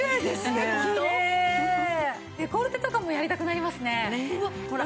デコルテとかもやりたくなりますね。